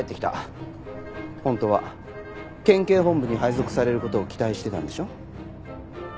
本当は県警本部に配属される事を期待してたんでしょう？